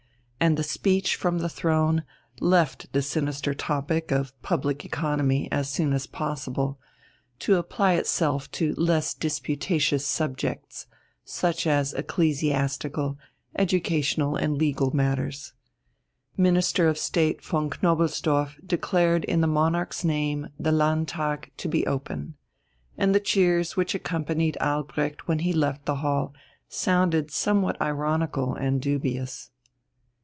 And the Speech from the Throne left the sinister topic of public economy as soon as possible, to apply itself to less disputatious subjects, such as ecclesiastical, educational, and legal matters. Minister of State von Knobelsdorff declared in the monarch's name the Landtag to be open. And the cheers which accompanied Albrecht when he left the hall sounded somewhat ironical and dubious.